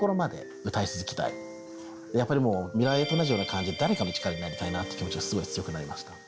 やっぱり『未来へ』と同じような感じで誰かの力になりたいなっていう気持ちがすごい強くなりました。